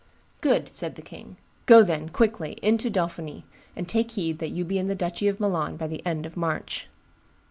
"Good!" said the king: "go, then, quickly into Dauphiny, and take heed that you be in my duchy of Milan by the end of March."